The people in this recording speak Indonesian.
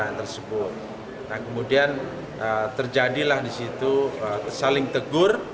nah kemudian terjadilah disitu saling tegur